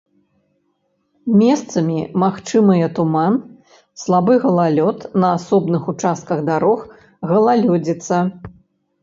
Месцамі магчымыя туман, слабы галалёд, на асобных участках дарог галалёдзіца.